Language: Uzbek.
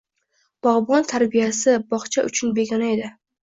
Bog'bon tarbiyasi bog'cha uchun begona edi.